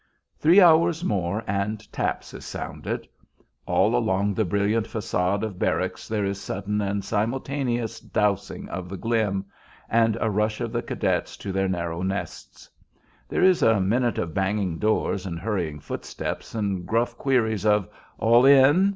Three hours more and "taps" is sounded. All along the brilliant façade of barracks there is sudden and simultaneous "dousing of the glim" and a rush of the cadets to their narrow nests. There is a minute of banging doors and hurrying footsteps, and gruff queries of "All in?"